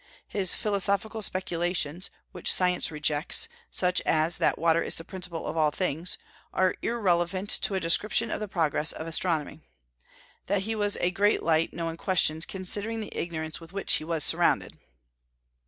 His philosophical speculations, which science rejects, such as that water is the principle of all things, are irrelevant to a description of the progress of astronomy. That he was a great light no one questions, considering the ignorance with which he was surrounded.